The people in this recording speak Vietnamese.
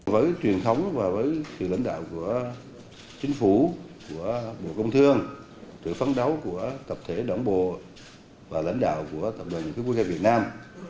với truyền thống và với sự lãnh đạo của chính phủ của bộ công thương sự phấn đấu của tập thể đảng bộ và lãnh đạo của tập đoàn cứ quốc gia việt nam